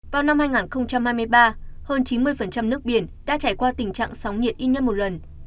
vào năm hai nghìn hai mươi ba hơn chín mươi nước biển đã trải qua tình trạng sóng nhiệt ít nhất một lần